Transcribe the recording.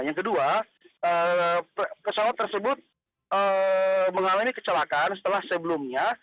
yang kedua pesawat tersebut mengalami kecelakaan setelah sebelumnya